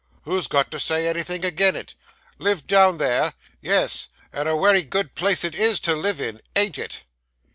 Who's got to say anything agin it? Live down there! Yes, and a wery good place it is to live in, ain't it?